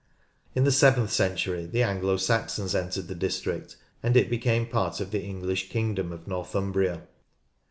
In the seventh century the Anglo Saxons entered the district, and it became part of the English kingdom of Northumbria.